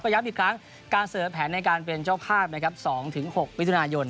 พยายามอีกครั้งการเสนอแผนในการเป็นเจ้าภาพ๒๖วิทยุนาโยน